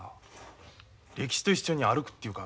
歴史と一緒に歩くっていうか。